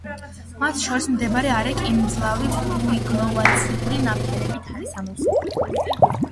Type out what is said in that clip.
მათ შორის მდებარე არე კი მძლავრი ფლუვიოგლაციალური ნაფენებით არის ამოვსებული.